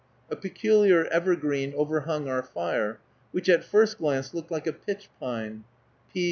A peculiar evergreen overhung our fire, which at first glance looked like a pitch pine (_P.